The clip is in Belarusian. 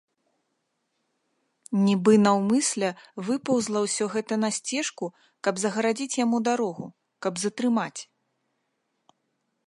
Нібы наўмысля выпаўзла ўсё гэта на сцежку, каб загарадзіць яму дарогу, каб затрымаць.